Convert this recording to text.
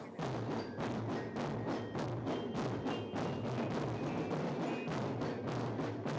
sang menang kuti ini adalah